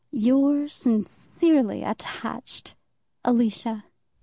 Your sincerely attached, ALICIA.